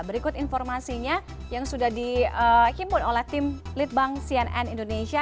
berikut informasinya yang sudah dihimpun oleh tim litbang cnn indonesia